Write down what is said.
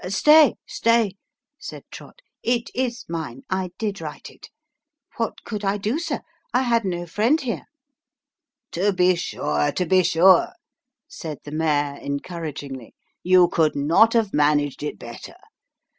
" Stay, stay," said Trott, " it is mine ; I did write it. What could I do, sir ? I had no friend here." " To be sure, to be sure," said the mayor, encouragingly, " you could not have managed it better.